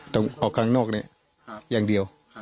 ออกข้างนอกเนี่ยอย่างเดียว